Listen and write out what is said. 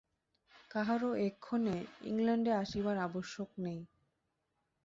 কাহারও এক্ষণে ইংলণ্ডে আসিবার আবশ্যক নাই।